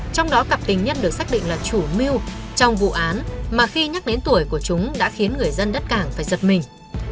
trong đó cặp tình nhất được xác định là chủ mưu trong vụ án mà khi nhắc đến tuổi của chúng đã khiến người dân đất cảng phải giật mình